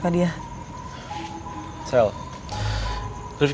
kamu mau pergi